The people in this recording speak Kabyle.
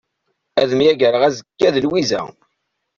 Ad myagreɣ azekka d Lwiza.